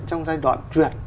trong giai đoạn chuyển